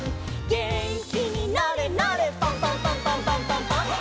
「げんきになれなれパンパンパンパンパンパンパン！！」